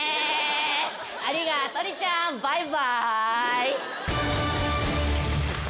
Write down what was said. ありがとりちゃんバイバーイ。